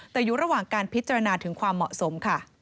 แต่อยู่ระหว่างการพิจารณาถึงความเหมาะสมค่ะ